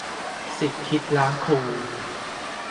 ศิษย์คิดล้างครู